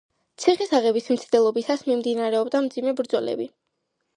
ციხის აღების მცდელობისას მიმდინარეობდა მძიმე ბრძოლები.